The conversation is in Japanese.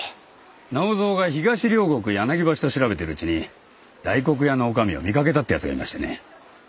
直蔵が東両国柳橋と調べてるうちに大黒屋のおかみを見かけたってやつがいましてね。